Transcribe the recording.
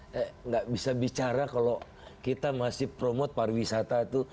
tidak bisa bicara kalau kita masih promote pariwisata itu